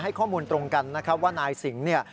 ข้อมูลตรงกันนะครับว่านายสิงห์เนี่ย